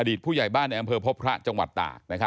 ผู้ใหญ่บ้านในอำเภอพบพระจังหวัดตาก